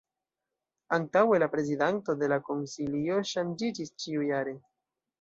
Antaŭe, la prezidanto de la Konsilio ŝanĝiĝis ĉiujare.